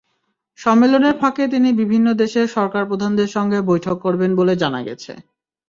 সম্মেলনের ফাঁকে তিনি বিভিন্ন দেশের সরকারপ্রধানদের সঙ্গে বৈঠক করবেন বলে জানা গেছে।